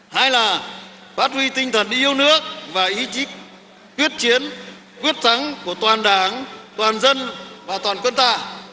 hai là phát huy tinh thần yêu nước và ý chí quyết chiến quyết thắng của toàn đảng toàn dân và toàn quân ta